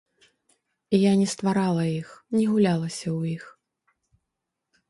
Я не стварала іх, не гулялася ў іх.